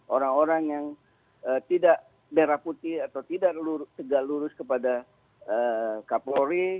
orang orang yang tidak merah putih atau tidak tegak lurus kepada kapolri